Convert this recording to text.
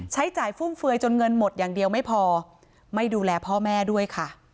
ใช้จ่ายฟุ่มเฟือยจนเงินหมดอย่างเดียวไม่พอไม่ดูแลพ่อแม่ด้วยค่ะ